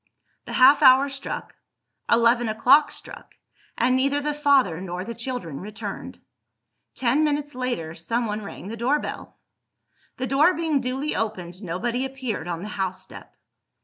The half hour struck eleven o'clock struck and neither the father nor the children returned. Ten minutes later, someone rang the door bell. The door being duly opened, nobody appeared on the house step.